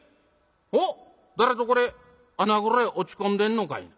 おっ誰ぞこれ穴蔵へ落ち込んでんのかいな。